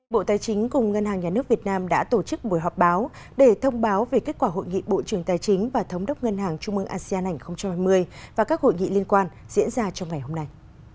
bộ tài chính cùng ngân hàng nhà nước việt nam đã tổ chức buổi họp báo để thông báo về kết quả hội nghị bộ trưởng tài chính và thống đốc ngân hàng trung mương asean hai nghìn hai mươi và các hội nghị liên quan diễn ra trong ngày hôm nay